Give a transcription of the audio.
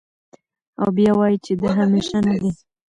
او بيا وائې چې د همېشه نۀ دے